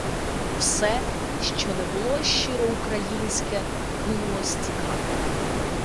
Все, що не, було щиро українське, кинулося тікати.